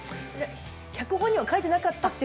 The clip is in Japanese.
脚本には書いてなかったという？